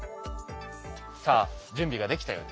さあ準備ができたようですね。